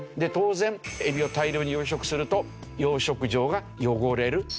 当然エビを大量に養殖すると養殖場が汚れる。